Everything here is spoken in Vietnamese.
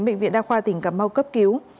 bệnh viện đa khoa tỉnh cà mau cấp cứu